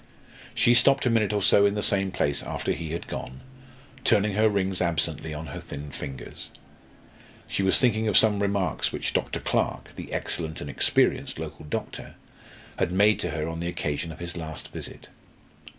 She stopped a minute or so in the same place after he had gone, turning her rings absently on her thin fingers. She was thinking of some remarks which Dr. Clarke, the excellent and experienced local doctor, had made to her on the occasion of his last visit.